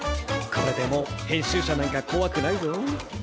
これでもう編集者なんかこわくないぞ。